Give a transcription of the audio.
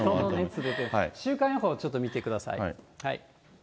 週間予報ちょっと見てください。